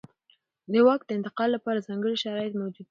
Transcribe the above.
د واک د انتقال لپاره ځانګړي شرایط موجود دي.